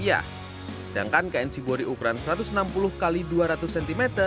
sedangkan kain ciburi ukuran satu ratus enam puluh x dua ratus cm